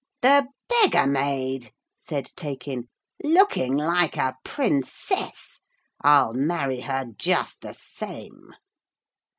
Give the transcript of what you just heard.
'The beggar maid,' said Taykin, 'looking like a princess! I'll marry her just the same.'